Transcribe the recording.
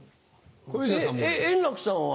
円楽さんは？